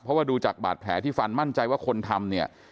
เพราะว่าดูจากบาดแผลที่ฟันมั่นใจว่าคนทำเนี่ย